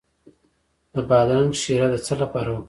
د بادرنګ شیره د څه لپاره وکاروم؟